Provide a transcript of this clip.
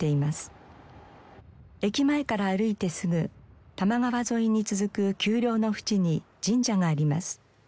駅前から歩いてすぐ多摩川沿いに続く丘陵の縁に神社があります。